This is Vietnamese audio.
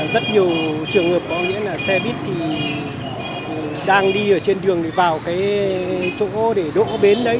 rất nhiều trường hợp có nghĩa là xe buýt thì đang đi ở trên đường để vào cái chỗ để đỗ bến đấy